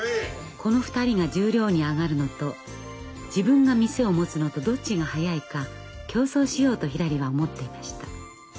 この２人が十両に上がるのと自分が店を持つのとどっちが早いか競争しようとひらりは思っていました。